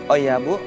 oh ya bu